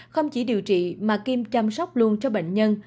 không chỉ điều trị mà kim chăm sóc luôn cho bệnh nhân